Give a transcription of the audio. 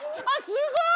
すごーい！